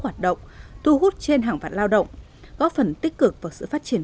hoạt động thu hút trên hàng vạn lao động góp phần tích cực vào sự phát triển